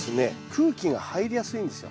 空気が入りやすいんですよ。